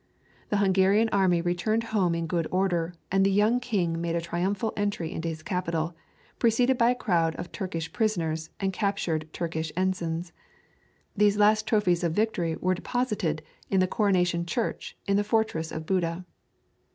The Hungarian army returned home in good order, and the young king made a triumphal entry into his capital, preceded by a crowd of Turkish prisoners and captured Turkish ensigns. These last trophies of victory were deposited in the Coronation Church in the fortress of Buda.